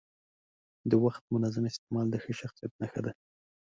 د وخت منظم استعمال د ښه شخصیت نښه ده.